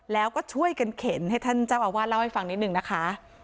แล้วก็ช่วยกันเข็นให้ท่านเจ้าอาวาสเล่าให้ฟังนิดนึงนะคะ